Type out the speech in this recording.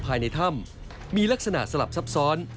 ภายในถ้ำมีลักษณะสลับซับซ้อน